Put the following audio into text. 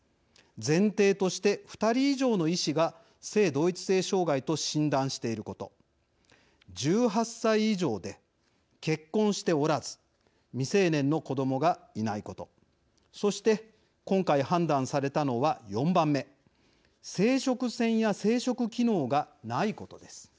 前提として、２人以上の医師が性同一性障害と診断していること１８歳以上で結婚しておらず未成年の子どもがいないことそして今回判断されたのは４番目生殖腺や生殖機能がないことです。